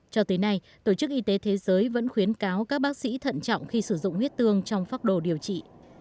cho tới nay tổ chức y tế thế giới vẫn khuyến cáo các bác sĩ thận trọng khi sử dụng huyết tương trong phác đồ điều trị